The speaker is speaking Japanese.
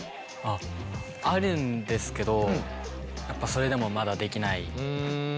あるんですけどやっぱそれでもまだできない。